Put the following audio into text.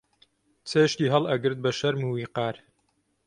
چێشتی هەڵئەگرت بە شەرم و ویقار